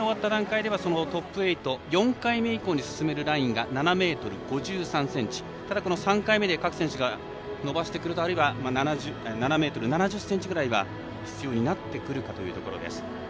トップ８、４回目以降に進めるラインが７ｍ５３ｃｍ３回目で各選手、伸ばしてくると７ｍ７０ｃｍくらいは必要になってくるかというところです。